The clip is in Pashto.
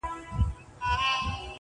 پلار یې راوستئ عسکرو سم په منډه,